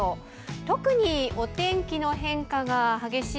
特に、お天気の変化が激しい